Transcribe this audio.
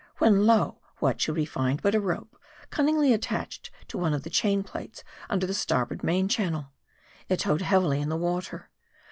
When lo ; what should we find but a rope, cunningly attached to one of the chain plates under the starboard main channel. It towed heavily in the water.